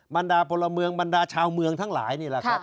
บรรดาพลเมืองบรรดาชาวเมืองทั้งหลายนี่แหละครับ